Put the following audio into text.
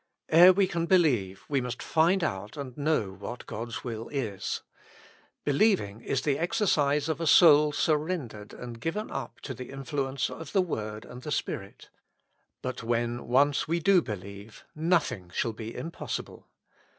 Ere we can believe we must find out and know what God's will is ; believing is the exercise of a soul surrendered and given up to the influence of the Word and the Spirit; but when once we do believe nothing shall be impossible.